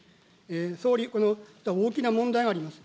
総理、この大きな問題があります。